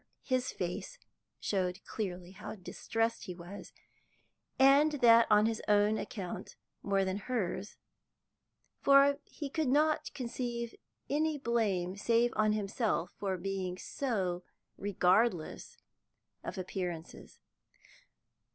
His face showed clearly how distressed he was, and that on his own account more than hers, for he could not conceive any blame save on himself for being so regardless of appearances.